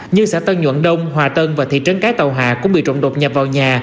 như xã tân nhuận đông hòa tân và thị trấn cái tàu hà cũng bị trộm đột nhập vào nhà